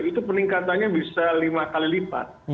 itu peningkatannya bisa lima kali lipat